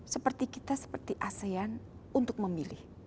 seperti kita seperti asean untuk memilih